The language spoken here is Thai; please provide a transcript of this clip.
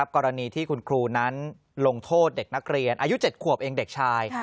กรณีที่คุณครูนั้นลงโทษเด็กนักเรียนอายุ๗ขวบเองเด็กชาย